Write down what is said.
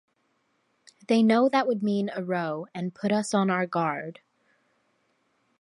They know that would mean a row and put us on our guard.